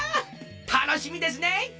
たのしみですね！